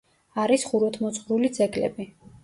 არის ხუროთმოძღვრული ძეგლები.